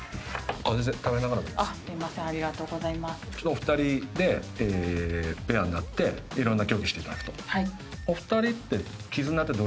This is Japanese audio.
お二人でペアになっていろんな競技をしていただくと。